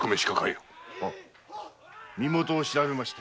では身元を調べまして。